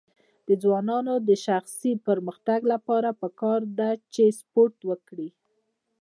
د ځوانانو د شخصي پرمختګ لپاره پکار ده چې سپورټ وکړي.